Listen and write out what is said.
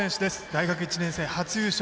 大学１年生、初優勝。